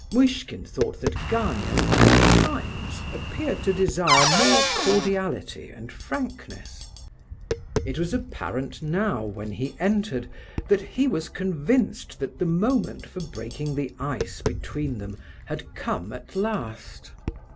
Muishkin thought that Gania at times appeared to desire more cordiality and frankness. It was apparent now, when he entered, that he was convinced that the moment for breaking the ice between them had come at last.